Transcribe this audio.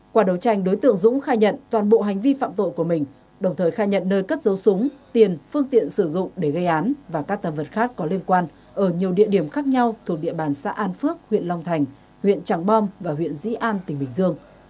qua đấu tranh đối tượng dũng khai nhận toàn bộ hành vi phạm tội của mình đồng thời khai nhận nơi cất dấu súng tiền phương tiện sử dụng để gây án và các tầm vật khác có liên quan ở nhiều địa điểm khác nhau thuộc địa bàn xã an phước huyện long thành huyện tràng bom và huyện dĩ an tỉnh bình dương